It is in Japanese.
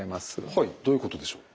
はいどういうことでしょう？